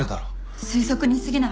推測にすぎない。